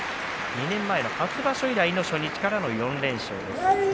２年前の初場所以来の初日からの４連勝です。